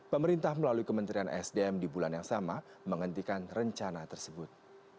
pemerintah melalui kementerian sdm di bulan yang sama menghentikan rencana tersebut